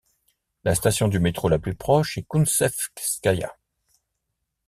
La station du métro la plus proche est Kountsevskaïa.